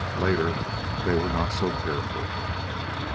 Later they were not so careful.